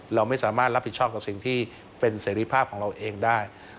เราไม่สามารถรับผิดชอบกับสิ่งที่เป็นเสรีภาพของเราเองได้